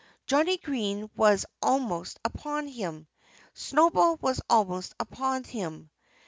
Johnnie Green was almost upon him. Snowball was almost upon him.